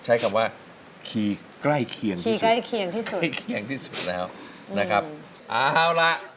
ใช้กลับว่าคีย์ใกล้เคียงที่สุด